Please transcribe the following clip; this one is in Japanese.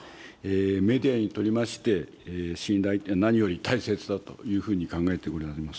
メディアにとりまして、信頼って何より大切だというふうに考えてございます。